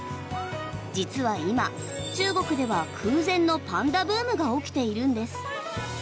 実は今、中国では空前のパンダブームが起きているんです。